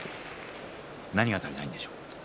何が足りないでしょうか。